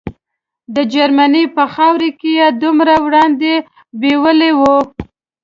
د جرمني په خاوره کې یې دومره وړاندې بیولي وو.